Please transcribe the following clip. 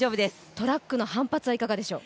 トラックの反発はどうでしょう？